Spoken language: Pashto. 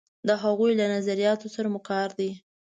د هغوی له نظریاتو سره مو کار دی.